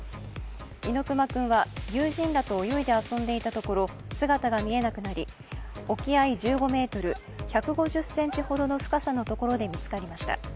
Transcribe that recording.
猪熊君は、友人らと泳いで遊んでいたところ、姿が見えなくなり、沖合１５ｍ、１５０ｃｍほどの深さのところで見つかりました。